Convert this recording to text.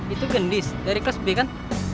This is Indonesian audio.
itu gendis dari kelas b kan